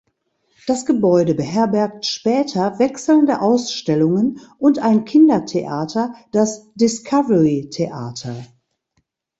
Das Gebäude beherbergt später wechselnde Ausstellungen und ein Kindertheater, das "Discovery Theater".